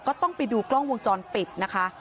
ก็ต้องไปดูกล้องวงจรปิดนะคะ